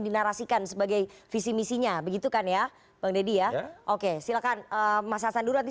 dinarasikan sebagai visi misinya begitu kan ya bang deddy ya oke silakan mas hasan dulu nanti